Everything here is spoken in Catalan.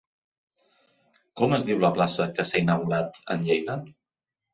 Com es diu la plaça que s'ha inaugurat en Lleida?